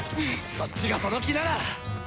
そっちがその気なら！